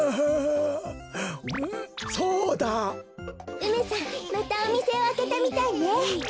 梅さんまたおみせをあけたみたいね。